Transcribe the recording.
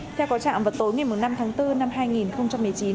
theo có trạm vào tối ngày năm tháng bốn năm hai nghìn một mươi chín